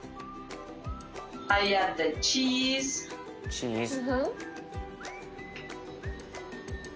チーズ。